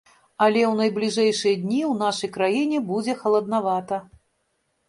Але ў найбліжэйшыя дні ў нашай краіне будзе халаднавата.